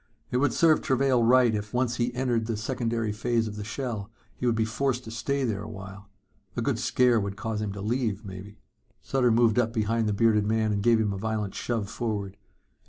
It would serve Travail right if, once he entered the secondary plane of the shell, he would be forced to stay there a while. A good scare would cause him to leave, maybe. Sutter moved up behind the bearded man and gave him a violent shove forward.